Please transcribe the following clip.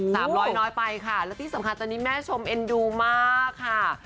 สามร้อยน้อยไปค่ะแล้วที่สำคัญตอนนี้แม่ชมเอ็นดูมากค่ะ